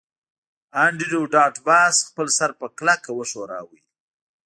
انډریو ډاټ باس خپل سر په کلکه وښوراوه